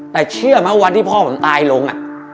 แต่เชื่อไหมวันที่พ่อผมตายลง